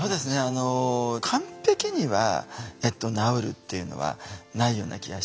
あの完璧には治るっていうのはないような気がして。